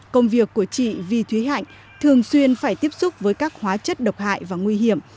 công việc của chị vy thúy hạnh thường xuyên phải tiếp xúc với các hóa chất độc hại và nguy hiểm